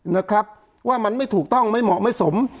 นะครับว่ามันไม่ถูกต้องไม่เหมาะไม่สม